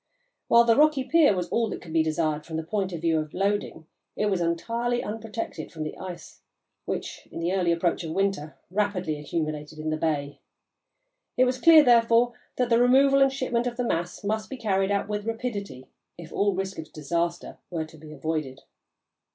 While the rocky pier was all that could be desired from the point of view of loading, it was entirely unprotected from the ice which, in the early approach of winter, rapidly accumulated in the bay. It was clear, therefore, that the removal and shipment of the mass must be carried out with rapidity if all risk of disaster were to be avoided.